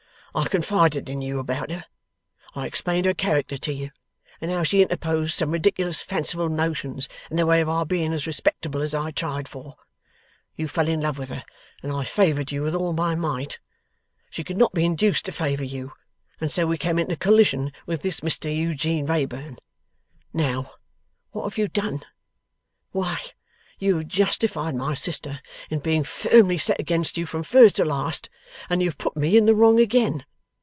I confided in you about her. I explained her character to you, and how she interposed some ridiculous fanciful notions in the way of our being as respectable as I tried for. You fell in love with her, and I favoured you with all my might. She could not be induced to favour you, and so we came into collision with this Mr Eugene Wrayburn. Now, what have you done? Why, you have justified my sister in being firmly set against you from first to last, and you have put me in the wrong again!